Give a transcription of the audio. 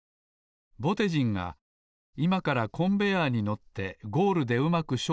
ぼてじんがいまからコンベアーに乗ってゴールでうまく正面を向くには